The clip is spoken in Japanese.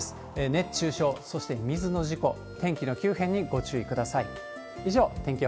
熱中症、そして水の事故、天気の急変にご注意ください。